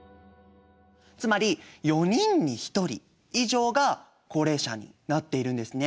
つまり４人に１人以上が高齢者になっているんですね。